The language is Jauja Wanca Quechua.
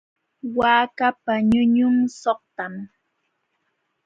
Waakapa ñuñun suqtam.